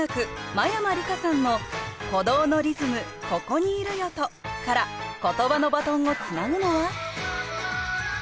真山りかさんの「鼓動のリズム『此処にいるよ』と」からことばのバトンをつなぐのは？